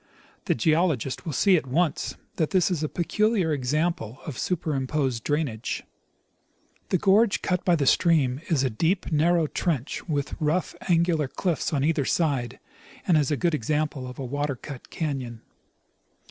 The geologist will see at once that this is a peculiar example of superimposed drainage. The gorge cut by the stream is a deep narrow trench with rough angular cliffs on either side, and is a good example of a water cut canon.